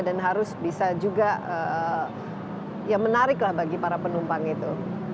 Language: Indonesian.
dan harus bisa juga menariklah bagi para penumpang itu